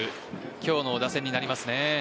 今日の打線になりますね。